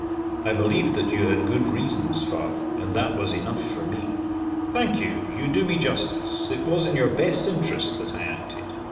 "I believed that you had good reasons, Father and that was enough for me." "Thank you you do me justice it was in your best interests that I acted.